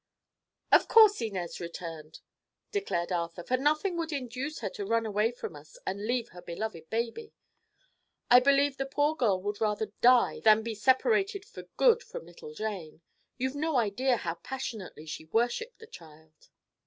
"Of course Inez returned," declared Arthur, "for nothing would induce her to run away from us and leave her beloved baby. I believe the poor girl would rather die than be separated for good from little Jane. You've no idea how passionately she worshiped the child."